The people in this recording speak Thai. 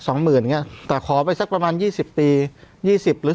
สองหมื่นอย่างเงี้ยแต่ขอไปสักประมาณยี่สิบปียี่สิบหรือ